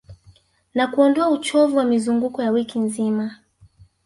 Na kuondoa uchovu wa mizunguko ya wiki nzima